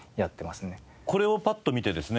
これをパッと見てですね